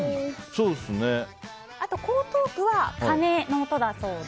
あと、江東区は鐘の音だそうで。